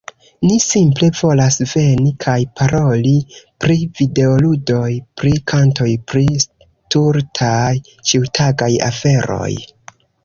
Ni simple volas veni, kaj paroli pri videoludoj, pri kantoj, pri stultaj ĉiutagaj aferoj.